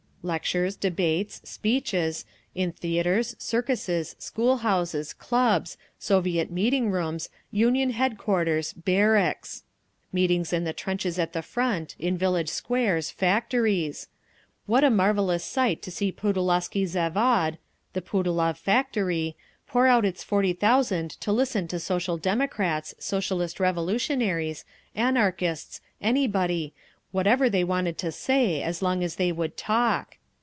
Lectures, debates, speeches—in theatres, circuses, school houses, clubs, Soviet meeting rooms, Union headquarters, barracks…. Meetings in the trenches at the Front, in village squares, factories…. What a marvellous sight to see Putilovsky Zavod (the Putilov factory) pour out its forty thousand to listen to Social Democrats, Socialist Revolutionaries, Anarchists, anybody, whatever they had to say, as long as they would talk!